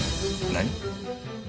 何！？